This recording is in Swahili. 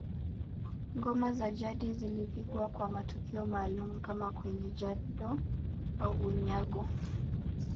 Ngoma za jadi zilipigwa kwa matukio maalumu kama kwenye jando au unyago